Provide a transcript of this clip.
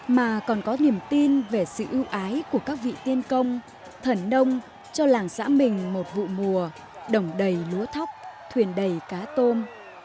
mà còn có niềm tin về sự ưu ái của các vị tiên công thần nông cho làng xã mình một vụ mùa đồng đầy lúa thóc thuyền đầy cá tôm